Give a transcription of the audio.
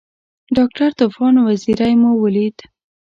ډاکټر طوفان وزیری مو ولید.